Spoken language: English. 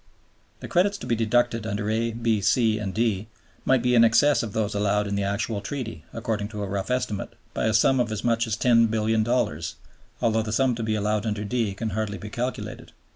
The credits to be deducted under (a), (b), (c), and (d) might be in excess of those allowed in the actual Treaty, according to a rough estimate, by a sum of as much as $10,000,000,000, although the sum to be allowed under (d) can hardly be calculated.